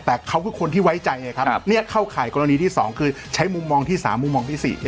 แต่เขาคือคนที่ไว้ใจไงครับเข้าข่ายกรณีที่๒คือใช้มุมมองที่๓มุมมองที่๔